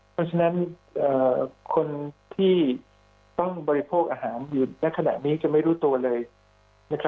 เพราะฉะนั้นคนที่ต้องบริโภคอาหารอยู่ในขณะนี้จะไม่รู้ตัวเลย